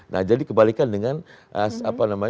nah jadi kebalikan dengan apa namanya kondisi ini